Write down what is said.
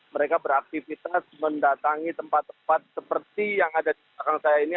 mereka beraktivitas mendatangi tempat tempat seperti yang ada di belakang saya ini